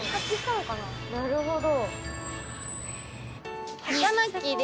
なるほど。